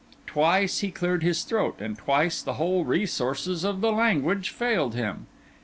Twice he cleared his throat, and twice the whole resources of the language failed him.